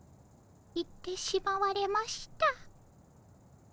行ってしまわれました。